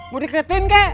mau diketin kek